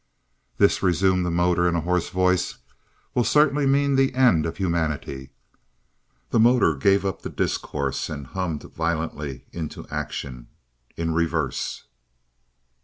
"This," resumed the motor in a hoarse voice, "will certainly mean the end of humanity." The motor gave up the discourse and hummed violently into action in reverse!